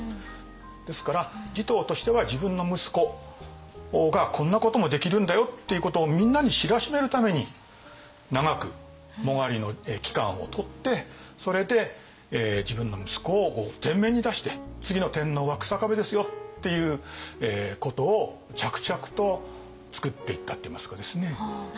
ですから持統としては自分の息子がこんなこともできるんだよっていうことをみんなに知らしめるために長く殯の期間をとってそれで自分の息子を前面に出して次の天皇は草壁ですよっていうことを着々とつくっていったといいますかですね。